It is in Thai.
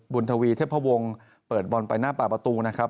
ทวีเทพวงศ์เปิดบอลไปหน้าปากประตูนะครับ